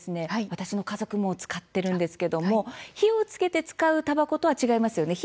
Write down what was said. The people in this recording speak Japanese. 私の家族も使っているんですけども火をつけて使うたばことは違いますよね。